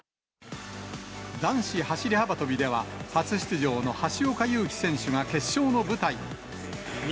男子走り幅跳びでは、初出場の橋岡優輝選手が決勝の舞台に。